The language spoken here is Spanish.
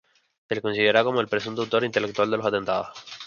Se le consideraba como el presunto autor intelectual de los atentados.